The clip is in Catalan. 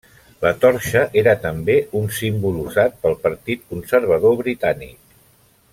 La torxa era també un símbol usat pel Partit Conservador Britànic.